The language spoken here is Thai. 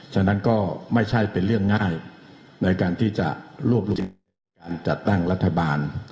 ฉะนั้นก็ไม่ใช่เป็นเรื่องง่ายในการที่จะรวบรวมการจัดตั้งรัฐบาล